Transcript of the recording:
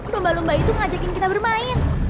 lumba lumba itu ngajakin kita bermain